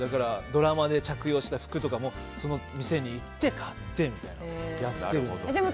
ドラマで着用した服とかもその店に行って買ってみたいなやってるんです。